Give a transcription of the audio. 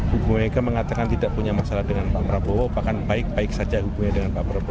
bu mega mengatakan tidak punya masalah dengan pak prabowo bahkan baik baik saja hubungannya dengan pak prabowo